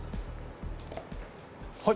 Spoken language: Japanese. はい。